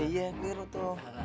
iya biru tuh